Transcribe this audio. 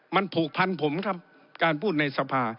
มันผูกพันผมครับการพูดในสภา